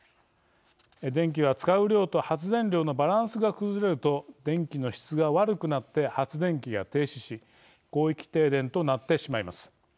電気は使う量と発電量のバランスが崩れると電気の質が悪くなって発電機が停止し広域停電となってしまいます。